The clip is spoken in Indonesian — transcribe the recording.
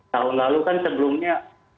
tahun lalu kan sebelumnya